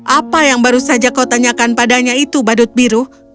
apa yang baru saja kau tanyakan padanya itu badut biru